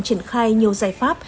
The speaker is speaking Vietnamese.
triển khai nhiều giải pháp